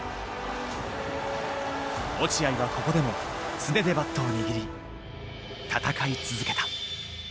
落合はここでも素手でバットを握り戦い続けた。